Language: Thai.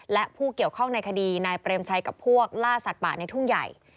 และผู้เกี่ยวข้องในคดีนายเปรมชัยกับพวกล่าสัตว์ป่าในทุ่งใหญ่